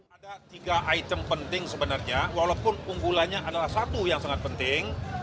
ada tiga item penting sebenarnya walaupun unggulannya adalah satu yang sangat penting